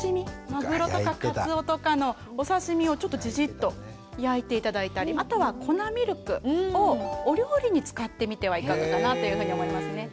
マグロとかカツオとかのお刺身をちょっとジジッと焼いて頂いたりあとは粉ミルクをお料理に使ってみてはいかがかなというふうに思いますね。